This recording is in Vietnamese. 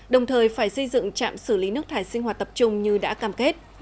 đồng thời phải xây dựng trạm xử lý nước thải sinh hoạt tập trung như đã cam kết